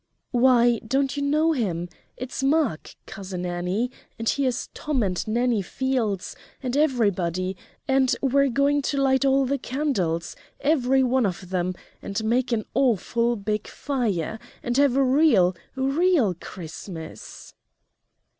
"Why, don't you know him? It's Mark, Cousin Annie, and here's Tom and Nanny Fields, and everybody, and we're going to light all the candles every one of them, and make an awful big fire and have a real, real Christmas."